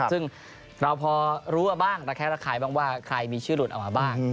ซึ่งเราพอรู้ว่าบ้างระแคะระคายบ้างว่าใครมีชื่อหลุดออกมาบ้าง